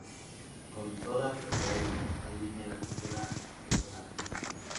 Con toda preferencia remite a la cultura grecolatina.